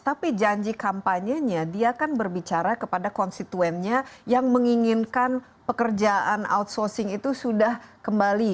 tapi janji kampanyenya dia kan berbicara kepada konstituennya yang menginginkan pekerjaan outsourcing itu sudah kembali